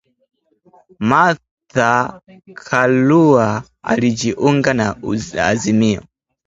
Martha Karua ajiunga na azimio